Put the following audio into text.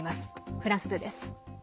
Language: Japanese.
フランス２です。